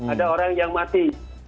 ada orang yang mati